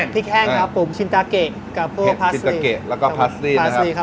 พริกแห้งครับผมชินตาเกะกับพวกพาซลี่ครับผมพาซลี่